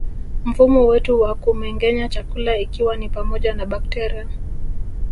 Mfumo wetu wa kumengenya chakula ikiwa ni pamoja na bakteria